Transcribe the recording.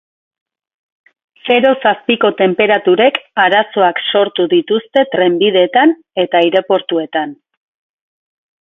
Zeroz azpiko tenperaturek arazoak sortu dituzte trenbideetan eta aireportuetan.